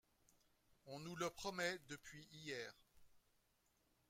On nous le promet depuis hier